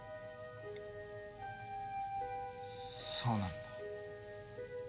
そうなんだ。